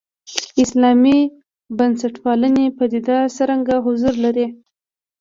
اسلامي بنسټپالنې پدیده څرګند حضور لري.